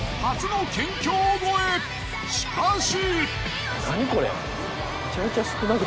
しかし。